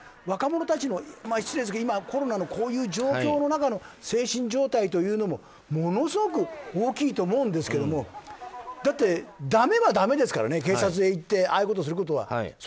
若者たちの失礼ですけど今コロナのこういう状況の中の精神状態というのもものすごく大きいと思うんですけれどもだって、だめはだめですから警察へ行ってああいうことをすることは。